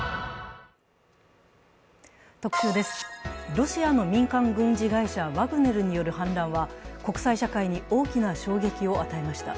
ロシアの民間軍事会社、ワグネルによる反乱は国際社会に大きな衝撃を与えました。